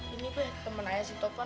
ini temen aja si topan